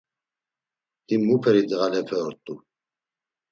Him muperi ndğalepe ort̆u?